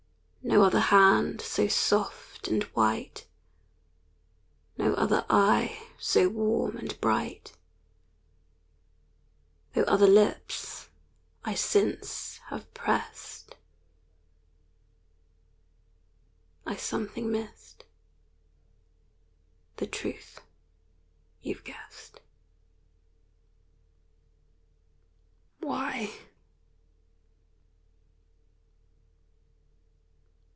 No other hand so soft and white, No other eye so warm and bright Though other lips I since have pressed, I something missed the truth you've guessed. Why?